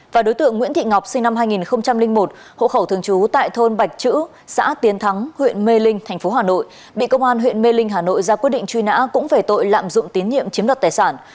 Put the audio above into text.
và đối tượng nguyễn thị ngọc sinh năm hai nghìn một hộ khẩu thường trú tại thôn bạch chữ xã tiến thắng huyện mê linh thành phố hà nội bị công an huyện mê linh hà nội ra quyết định truy nã cũng về tội lạm dụng tín nhiệm chiếm đoạt tài sản